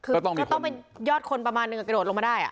คือก็ต้องเป็นยอดคนประมาณนึงกระโดดลงมาได้